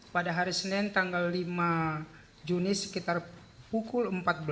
pada hari senin tanggal lima juni sekitar pukul empat belas